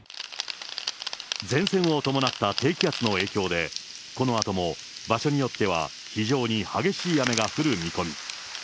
前線を伴った低気圧の影響で、このあとも場所によっては非常に激しい雨が降る見込み。